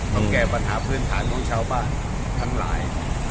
มาแก้ปัญหาพื้นฐานของชาวบ้านทั้งหลาย